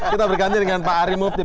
kita bergantian dengan pak ari mufti